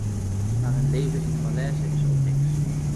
Maar een leven in de malaise is ook niks.